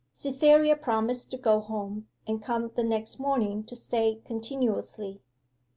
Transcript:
Cytherea promised to go home, and come the next morning to stay continuously.